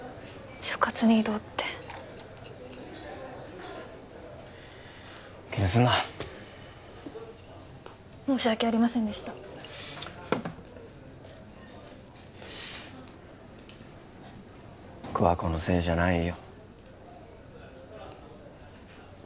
気にすんな申し訳ありませんでした桑子のせいじゃないよ